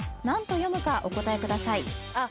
何と読むかお答えください。